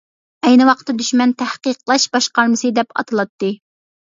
ئەينى ۋاقىتتا دۈشمەن تەھقىقلەش باشقارمىسى دەپ ئاتىلاتتى.